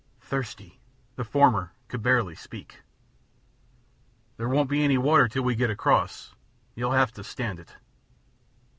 "Thirsty!" The former could barely speak. "There won't be any water till we get across. You'll have to stand it."